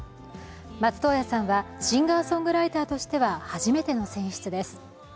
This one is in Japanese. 松任谷さんは、シンガーソングライターとしては初めての選出です。